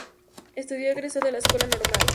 Estudió y egresó de la Escuela Normal.